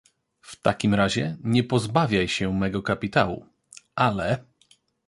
"W takim razie nie pozbawiaj się mego kapitału, ale..."